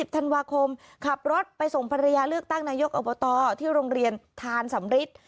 ธันวาคมขับรถไปส่งภรรยาเลือกตั้งนายกอบตที่โรงเรียนทานสำริท